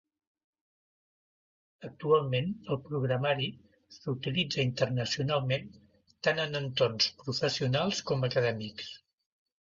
Actualment el programari s'utilitza internacionalment tant en entorns professionals com acadèmics.